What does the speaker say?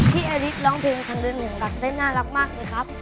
อาริสร้องเพลงทางเดินอย่างรักเส้นน่ารักมากเลยครับ